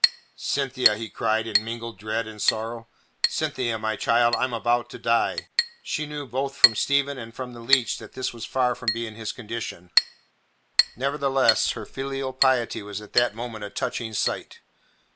"Cynthia," he cried, in mingled dread and sorrow, "Cynthia, my child, I am about to die." She knew both from Stephen and from the leech that this was far from being his condition. Nevertheless her filial piety was at that moment a touching sight.